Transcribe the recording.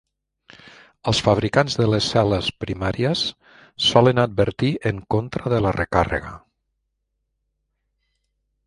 Els fabricants de les cel·les primàries solen advertir en contra de la recàrrega.